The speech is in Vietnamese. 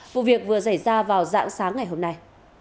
vụ việc vừa xảy ra vào dạng sáng ngày hôm nay